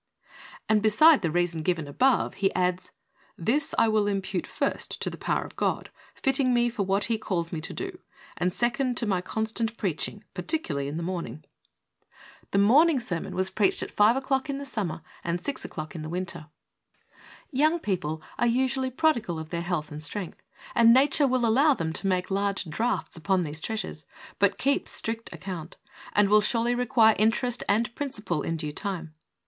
And beside the reason given above he adds: "This I will impute, first, to the power of God, fitting me for what He calls me to do, and, second, to my constant preaching, particularly in the morning." The morning HEALTH. 71 sermon was preached at 5 o'clock in the Sum mer and 6 o'clock in the Winter. Young people are usually prodigal of their health and strength, and nature will allow them to make large drafts upon these treasures, but keeps strict account, and will surely require interest and principal in due time.